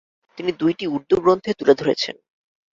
তিনি দুইটি উর্দু গ্রন্থে তুলে ধরেছেন।